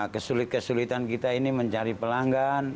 kesulitan kesulitan kita ini mencari pelanggan